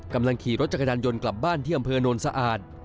กำลังขี่รถจักรยานยนต์กลับบ้านที่อำเภอโนนสะอาด